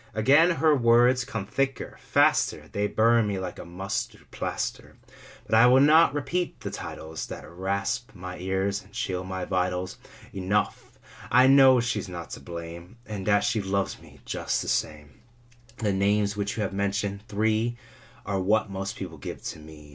Again her words come thicker, faster, They burn me like a mustard plaster. But I will not repeat the titles That rasp my ears and chill my vitals. Enough, I know she's not to blame. And that she loves me just the same." Copyrighted, 1897 I HE names which you have mentioned, three, what most people give to me."